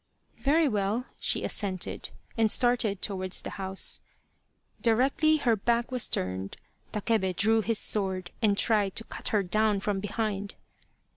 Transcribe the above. " Very well," she assented, and started towards the house. Directly her back was turned, Takebe drew his sword and tried to cut her down from behind.